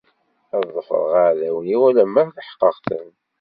Ad ḍefreɣ iɛdawen-iw alamma leḥqeɣ-ten.